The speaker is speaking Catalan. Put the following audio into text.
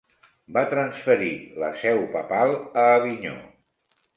Va transferir la seu papal a Avinyó.